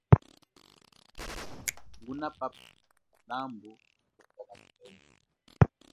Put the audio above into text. Ngunapapa lambu lia kakhendwe.